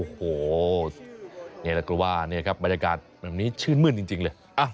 โอ้โหนี่แหละก็ว่าเนี่ยครับบรรยากาศแบบนี้ชื่นมื้นจริงเลย